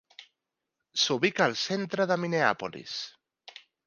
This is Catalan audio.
S'ubica al centre de Minneapolis.